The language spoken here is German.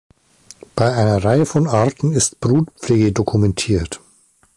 Bei einer Reihe von Arten ist Brutpflege dokumentiert.